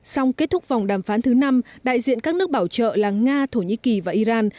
xong kết thúc vòng đàm phán thứ năm đại diện các nước bảo trợ là nga thổ nhĩ kỳ và iran